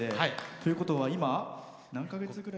ということは今、何か月ぐらい？